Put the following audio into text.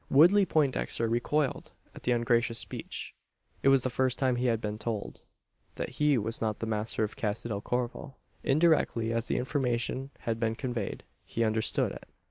Woodley Poindexter recoiled at the ungracious speech. It was the first time he had been told, that he was not the master of Casa del Corvo! Indirectly as the information had been conveyed, he understood it.